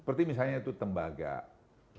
seperti misalnya itu tembaga